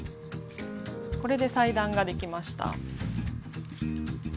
これで裁断ができました。